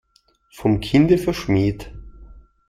Vom Kinde verschmäht.